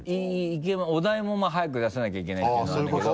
お題も早く出さなきゃいけないっていうのはあるんだけど。